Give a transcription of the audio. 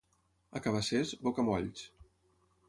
A Cabacés, bocamolls.